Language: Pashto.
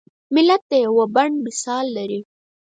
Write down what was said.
ملت د یوه بڼ مثال لري.